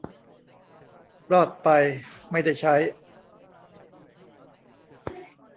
รอดไปไม่ได้ใช้